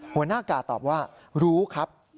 หัวหน้ากาดตอบว่ารู้ครับ